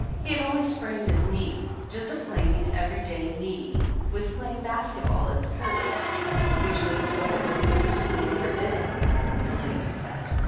He had only sprained his knee, just a plain, every day knee, with playing basket ball at school, which was 232 THE ANNALS OF ANN all the good school ever did him, the lady said.